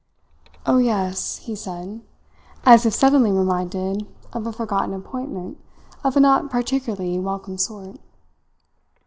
"Oh, yes," he said, as if suddenly reminded of a forgotten appointment of a not particularly welcome sort.